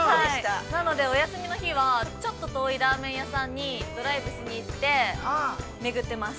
◆なので、休みの日はちょっと遠いラーメン屋さんにドライブしに行って、めぐってます。